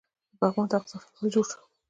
د پغمان طاق ظفر ولې جوړ شو؟